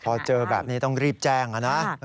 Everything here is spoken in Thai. พอเจอแบบนี้ต้องรีบแจ้งนะ